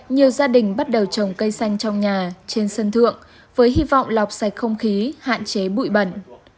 nhiều gia đình bắt đầu trồng cây xanh trong nhà trên sân thượng với hy vọng lọc sạch không khí hạn chế bụi bẩn